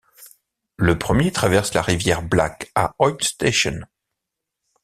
Le premier traverse la rivière Black à Hoyt-Station.